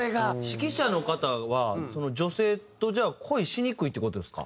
指揮者の方は女性とじゃあ恋しにくいって事ですか？